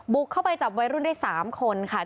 บุกเข้าไปจับไว้รุ่นได้๓คนค่ะ